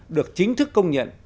được chính thức công nhận